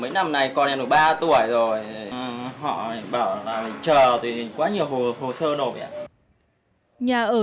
mấy năm nay con em có ba tuổi rồi họ bảo là mình chờ thì quá nhiều hồ sơ nổi ạ